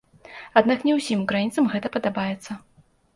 Аднак не ўсім украінцам гэта падабаецца.